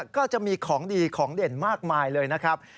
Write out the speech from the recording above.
ก็จะมีของดีของเด่นมากมายเลยนะครับ